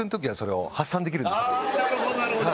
あなるほどなるほど。